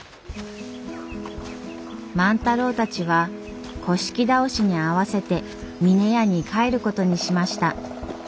万太郎たちは倒しに合わせて峰屋に帰ることにしました。